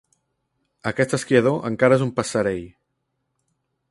Aquest esquiador encara és un passerell.